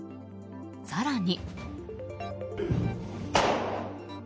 更に。